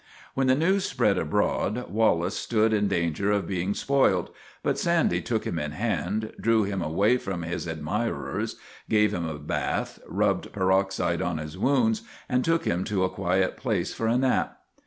When the news spread abroad Wallace stood in danger of being spoiled, but Sandy took him in hand, drew him away from his admirers, gave him a bath, rubbed peroxide in his wounds, and took him to a quiet place for a nap.